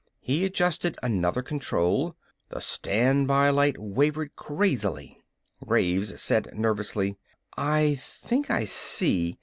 He adjusted another control. The standby light wavered crazily. Graves said nervously: "I think I see.